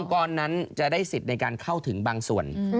กรนั้นจะได้สิทธิ์ในการเข้าถึงบางส่วน